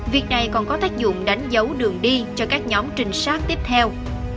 việc này còn có tác dụng đánh dấu đường đi cho các nhóm trinh sát tiếp theo